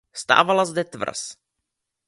Stávala zde tvrz.